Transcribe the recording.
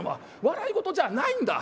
笑い事じゃないんだ。